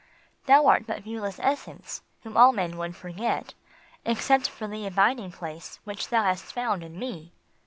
Thou art but viewless essence, whom all men would forget Except for the abiding place which thou hast found in me."